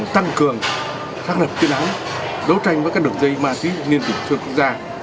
tăng cường khắc lập tuyên án đối tranh với các đường dây ma túy liên tục xuống quốc gia